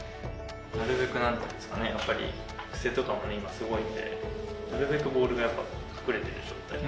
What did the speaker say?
なるべくなんて言うんですかね、癖とかもね、今、すごいんで、なるべくボールが隠れている状態。